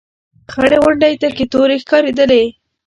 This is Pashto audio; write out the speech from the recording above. خړې غونډۍ تکې تورې ښکارېدلې.